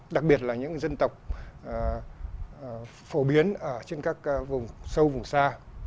đặc biệt là những dân tộc phổ biến ở trên các vùng sâu vùng xa